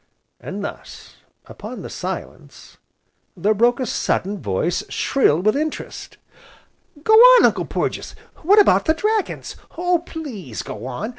And thus, upon the silence there broke a sudden voice shrill with interest: "Go on, Uncle Porges, what about the dragons? Oh, please go on!